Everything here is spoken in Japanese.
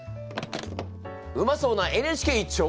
うまそうな「ＮＨＫ」一丁！